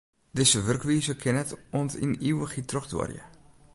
Dizze wurkwize kin net oant yn ivichheid trochduorje.